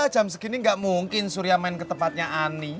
jam segini gak mungkin surya main ke tempatnya ani